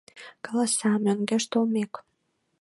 Каласа: «Мӧҥгеш толмек